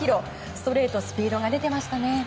ストレートスピードが出ていましたね。